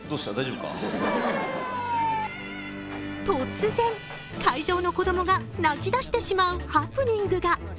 突然、会場の子供が泣き出してしまうハプニングが。